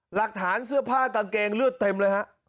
หลักฐานเสื้อผ้ากางเกงเลือดเต็มเลยฮะ